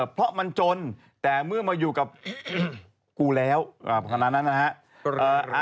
เพราะมันจนแต่เมื่อมาอยู่กับกูแล้วขนาดนั้นนะฮะ